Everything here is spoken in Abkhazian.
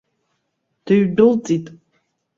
Дыҩдәылҵит.